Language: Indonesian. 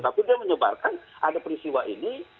tapi dia menyebarkan ada peristiwa ini